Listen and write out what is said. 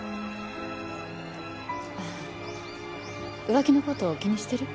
浮気のこと気にしてる？